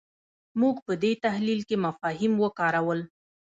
موږ په دې تحلیل کې مفاهیم وکارول.